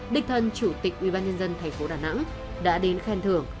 địch thần chủ tịch ubnd thành phố đà nẵng đã đến khen thưởng